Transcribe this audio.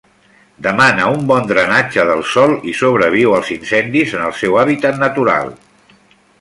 Demana un bon drenatge del sòl i sobreviu als incendis en el seu hàbitat natural.